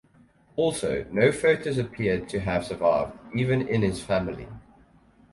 Also, no photos appear to have survived, even in his family.